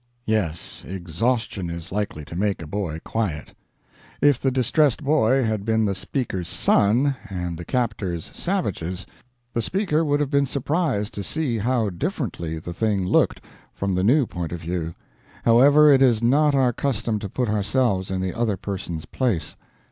Yes, exhaustion is likely to make a boy quiet. If the distressed boy had been the speaker's son, and the captors savages, the speaker would have been surprised to see how differently the thing looked from the new point of view; however, it is not our custom to put ourselves in the other person's place.